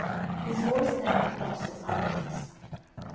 His voice now had lost its ironies.